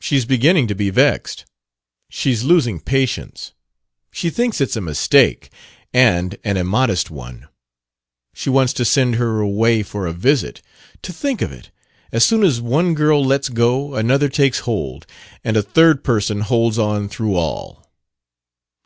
"She's beginning to be vexed. She's losing patience. She thinks it's a mistake and an immodest one. She wants to send her away for a visit. To think of it! as soon as one girl lets go another takes hold, and a third person holds on through all!"